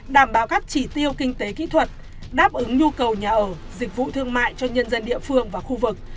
đảm bảo các chỉ tiêu kinh tế kỹ thuật đáp ứng nhu cầu nhà ở dịch vụ thương mại cho nhân dân địa phương và khu vực